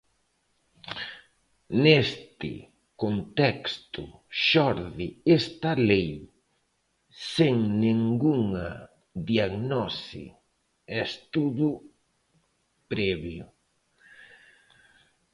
Neste contexto xorde esta lei, sen ningunha diagnose e estudo previo.